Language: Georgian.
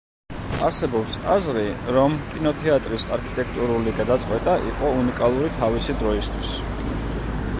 არსებობს აზრი, რომ კინოთეატრის არქიტექტურული გადაწყვეტა იყო უნიკალური თავისი დროისთვის.